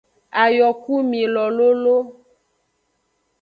Ayokumilo lolo.